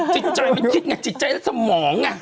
จิตใจมันคิดไงจิตใจมันคิดแล้วสมอง